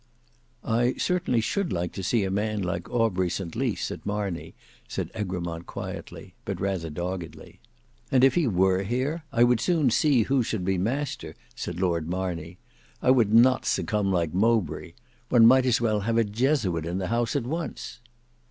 "I certainly should like to see a man like Aubrey St Lys at Marney," said Egremont quietly, but rather doggedly. "And if he were here, I would soon see who should be master," said Lord Marney; "I would not succumb like Mowbray. One might as well have a jesuit in the house at once."